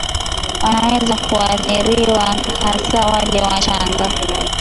wanaweza kuathiriwa hasa wale wachanga